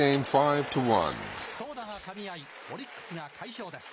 投打がかみ合い、オリックスが快勝です。